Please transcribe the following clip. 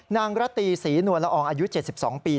นางระตีศรีนวลละอองอายุ๗๒ปี